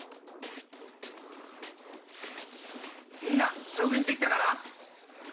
みんな上手にできたかな？